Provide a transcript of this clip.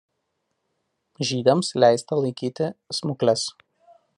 Žydams leista laikyti smukles.